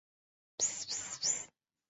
南朝陈改为北徐州。